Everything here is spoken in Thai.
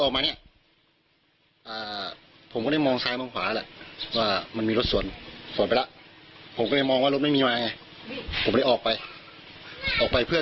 มันมีเสียงเหมือนย่างระเบิดข้างหลังปุ้มแล้วรถผมก็ถล่ายขึ้นก่อกลางไปเลย